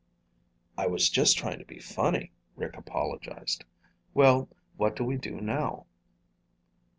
"I was just trying to be funny," Rick apologized. "Well, what do we do now?"